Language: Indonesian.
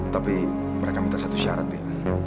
tapi mereka minta satu syarat ya